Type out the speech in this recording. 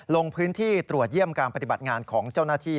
ลงพื้นที่ตรวจเยี่ยมการปฏิบัติงานของเจ้าหน้าที่